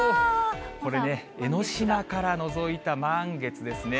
これね、江の島からのぞいた満月ですね。